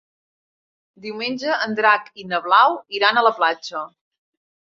Diumenge en Drac i na Blau iran a la platja.